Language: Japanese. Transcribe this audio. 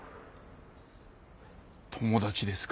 友達ですか。